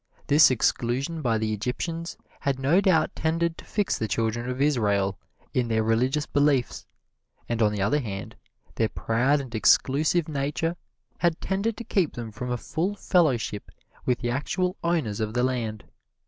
This exclusion by the Egyptians had no doubt tended to fix the Children of Israel in their religious beliefs, and on the other hand, their proud and exclusive nature had tended to keep them from a full fellowship with the actual owners of the land.